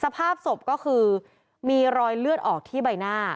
สภาพศพก็คือมีรอยเลือดออกที่ใบหน้า